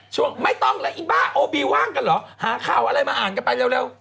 ช่วงไม่ต้องแล้วอีบ้าโอบีว่างกันเหรอหาข่าวอะไรมาอ่านกันไปเร็ว